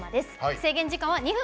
制限時間は２分。